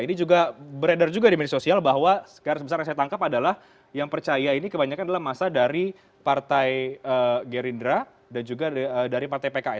ini juga beredar juga di media sosial bahwa sekarang sebesar yang saya tangkap adalah yang percaya ini kebanyakan adalah masa dari partai gerindra dan juga dari partai pks